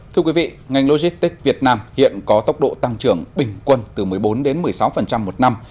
thưa quý vị ngành logistics việt nam hiện có tốc độ tăng trưởng bình quân từ một mươi bốn một mươi sáu một năm